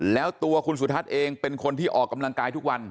แล้วตัวคุณสุทัศน์เองเป็นคนที่ออกกำลังกายทุกวัน